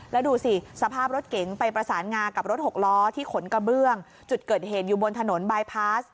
แล้วดูสิสภาพรถเก๋งไปประสานงากับรถหกล้อที่ขนกระเบื้องจุดเกิดเหตุอยู่บนถนนบายพาส